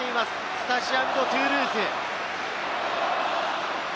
スタジアム・ド・トゥールーズ。